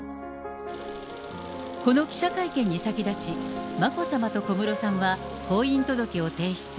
この記者会見に先立ち、眞子さまと小室さんは婚姻届を提出。